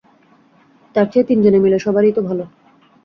তার চেয়ে তিনজনে মিলে সারাই তো ভালো।